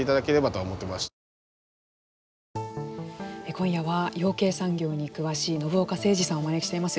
今夜は、養鶏産業にお詳しい信岡誠治さんをお招きしています。